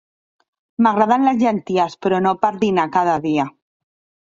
M'agraden les llenties, però no per dinar cada dia.